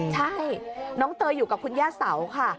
ใช่น้องเตยอยู่กับคุณย่าเสาค่ะ